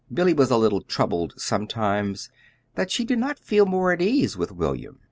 Billy was a little troubled sometimes, that she did not feel more at ease with William.